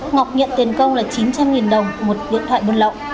ngọc nhận tiền công là chín trăm linh đồng một điện thoại buôn lậu